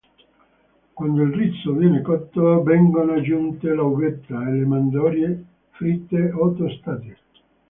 Quando il riso viene cotto, vengono aggiunte l'uvetta e le mandorle fritte o tostate.